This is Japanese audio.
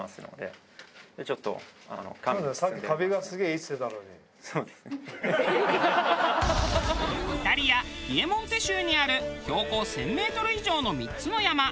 イタリアピエモンテ州にある標高１０００メートル以上の３つの山。